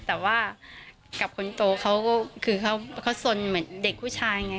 แต่ว่ากับคนโตเขาก็คือเขาสนเหมือนเด็กผู้ชายไง